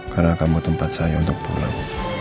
karena kamu tempat saya untuk pulang